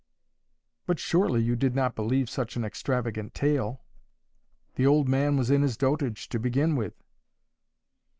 "But surely you did not believe such an extravagant tale? The old man was in his dotage, to begin with."